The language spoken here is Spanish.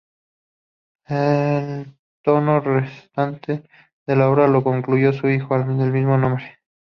El tomo restante de la obra lo concluyó su hijo, del mismo nombre.